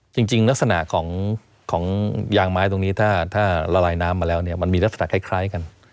จริงลักษณะของยางไม้ตรงนี้ถ้าละลายน้ำมาแล้วเนี่ยมันมีลักษณะคล้ายกัน